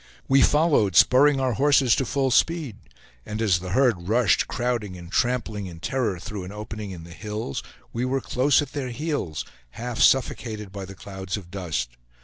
We followed, spurring our horses to full speed; and as the herd rushed, crowding and trampling in terror through an opening in the hills, we were close at their heels, half suffocated by the clouds of dust.